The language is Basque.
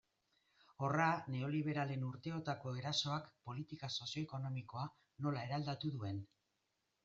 Horra neoliberalen urteotako erasoak politika sozio-ekonomikoa nola eraldatu duen.